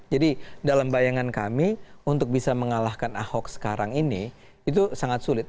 jadi dalam bayangan kami untuk bisa mengalahkan ahok sekarang ini itu sangat sulit